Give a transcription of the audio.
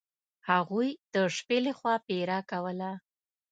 هغوی د شپې له خوا پیره کوله.